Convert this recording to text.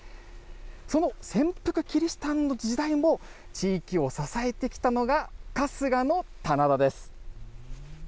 その潜伏キリシタンの時代も、地域を支えてきたのが、春日の棚田です。